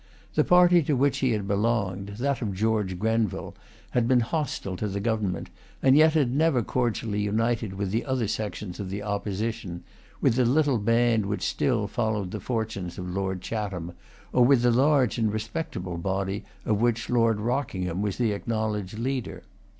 The party to which he had belonged, that of George Grenville, had been hostile to the Government, and yet had never cordially united with the other sections of the Opposition, with the little band which still followed the fortunes of Lord Chatham, or with the large and respectable body of which Lord Rockingham was the acknowledged leader.